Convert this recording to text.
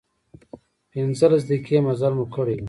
پنځلس دقيقې مزل مو کړی و.